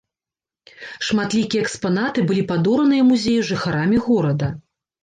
Шматлікія экспанаты былі падораныя музею жыхарамі горада.